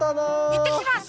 いってきます！